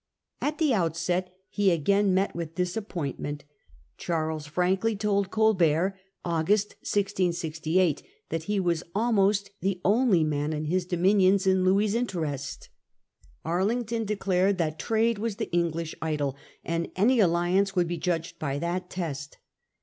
At the outset he again met with disappointment. Charles frankly told Colbert (August 1668) that he was almost the only man in his dominions in Louis's interest. Arlington declared that trade was the English idol, and any alliance would be judged by that test.